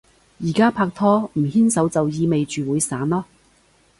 而家拍拖，唔牽手就意味住會散囉